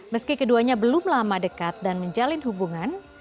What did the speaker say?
meski keduanya belum lama dekat dan menjalin hubungan